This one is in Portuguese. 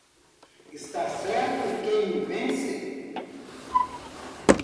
Está certo quem vence.